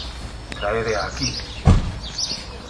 Traédea aquí!